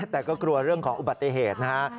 แต่ก็กลัวเรื่องของอุบัติเหตุนะฮะ